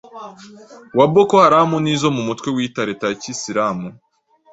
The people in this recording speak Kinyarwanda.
wa Boko Haram n'izo mu mutwe wiyita leta ya kisilamu